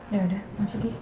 yaudah masuk di